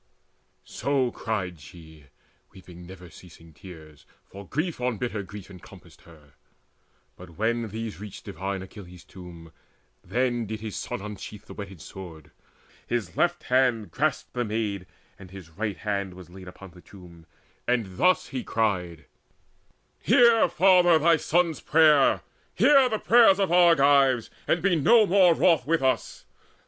So cried she, weeping never ceasing tears, For grief on bitter grief encompassed her. But when these reached divine Achilles' tomb, Then did his son unsheathe the whetted sword, His left hand grasped the maid, and his right hand Was laid upon the tomb, and thus he cried: "Hear, father, thy son's prayer, hear all the prayers Of Argives, and be no more wroth with us!